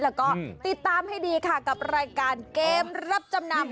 แล้วก็ติดตามให้ดีค่ะกับรายการเกมรับจำนำ